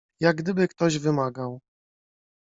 Jak gdyby ktoś wymagał…